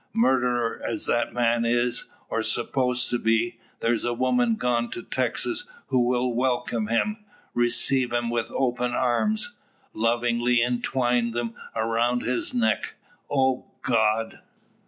Murderer as that man is, or supposed to be, there's a woman gone to Texas who will welcome him receive him with open arms; lovingly entwine them around his neck. O God!"